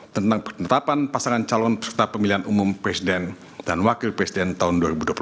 tentang penetapan pasangan calon peserta pemilihan umum presiden dan wakil presiden tahun dua ribu dua puluh empat